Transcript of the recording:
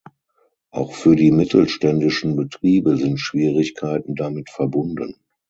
Auch für die mittelständischen Betriebe sind Schwierigkeiten damit verbunden.